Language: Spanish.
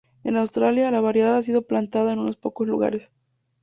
En Australia, la variedad ha sido plantada en unos pocos lugares.